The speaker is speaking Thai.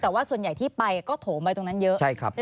แต่ว่าส่วนใหญ่ที่ไปก็โถมไว้ตรงนั้นเยอะ